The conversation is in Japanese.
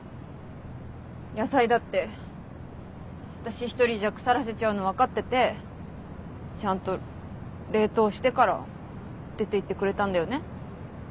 野菜だって私１人じゃ腐らせちゃうの分かっててちゃんと冷凍してから出ていってくれたんだよね？